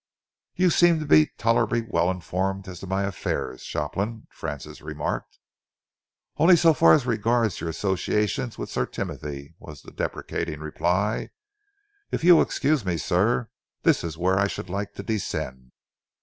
"You seem to be tolerably well informed as to my affairs, Shopland," Francis remarked. "Only so far as regards your associations with Sir Timothy," was the deprecating reply. "If you will excuse me, sir, this is where I should like to descend."